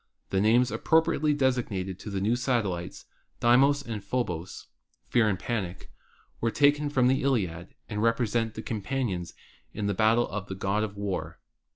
The names appropriately assigned to the new satellites, Deimos and Phobos (Fear and Panic), were taken from the Iliad and represent the companions in battle of the God of War.